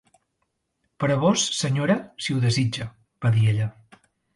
"Per a vós, senyora, si ho desitja", va dir ella.